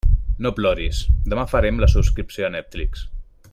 No ploris, demà farem la subscripció a Netflix.